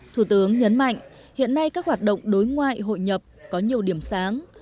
thủ tướng nhấn mạnh hiện nay các hoạt động đối ngoại hội nhập có nhiều điểm sáng